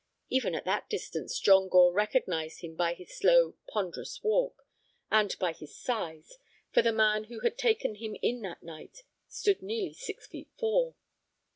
Even at that distance John Gore recognized him by his slow, ponderous walk, and by his size, for the man who had taken them in that night stood nearly six feet four.